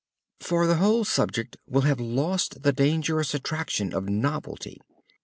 For the whole subject will have lost the dangerous attraction of novelty.